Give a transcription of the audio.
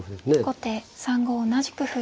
後手３五同じく歩。